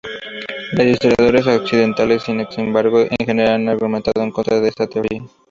Los historiadores occidentales, sin embargo, en general han argumentado en contra de esta teoría.